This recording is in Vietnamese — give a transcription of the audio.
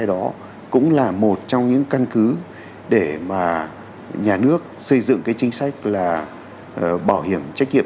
đó cũng là một trong những căn cứ để mà nhà nước xây dựng cái chính sách là bảo hiểm trách nhiệm